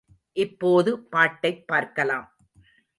இப்போது பாட்டைப் பார்க்கலாம்.